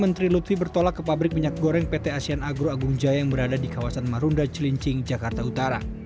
menteri lutfi bertolak ke pabrik minyak goreng pt asean agro agung jaya yang berada di kawasan marunda cilincing jakarta utara